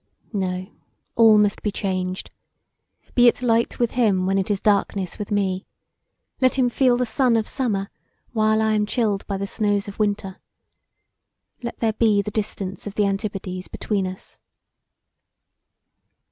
No, all must be changed. Be it light with him when it is darkness with me! Let him feel the sun of summer while I am chilled by the snows of winter! Let there be the distance of the antipodes between us!